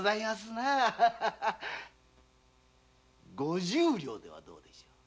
五十両ではどうでしょう？